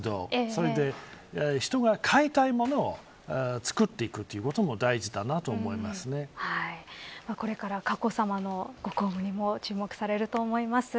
それで人が買いたいものをつくっていくということもこれから佳子さまのご公務にも注目されると思います。